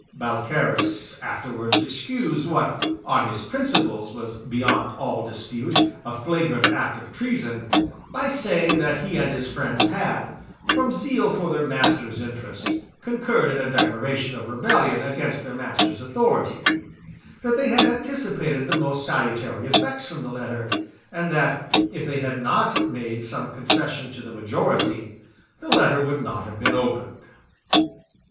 Balcarras afterwards excused what, on his principles, was, beyond all dispute, a flagrant act of treason, by saying that he and his friends had, from zeal for their master's interest, concurred in a declaration of rebellion against their master's authority; that they had anticipated the most salutary effects from the letter; and that, if they had not made some concession to the majority, the letter would not have been opened.